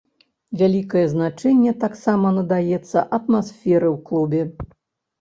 Вялікае значэнне таксама надаецца атмасферы ў клубе.